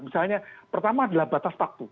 misalnya pertama adalah batas waktu